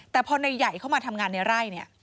แต่พอในใหญ่เข้ามาทำงานในไร่เนี่ย